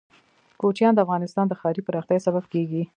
کوچیان د افغانستان د ښاري پراختیا سبب کېږي.